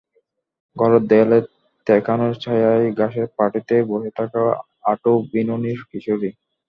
ঘরের দেয়ালের তেকোনা ছায়ায় ঘাসের পাটিতে বসে থাকে আঁটো বিনুনির কিশোরী।